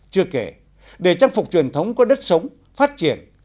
chưa kể để trang phục truyền thống có đất sống phát triển